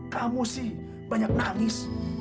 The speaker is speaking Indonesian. kamu sih banyak nangis